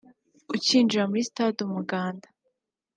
ukinjira muri sitade Umuganda